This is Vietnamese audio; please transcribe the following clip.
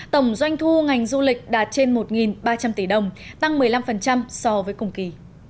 tổng doanh thu ngành du lịch đạt trên một ba trăm linh tỷ đồng tăng một mươi năm so với cùng kỳ